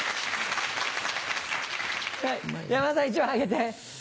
山田さん１枚あげて。